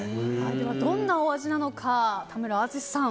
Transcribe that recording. どんなお味なのか、田村淳さん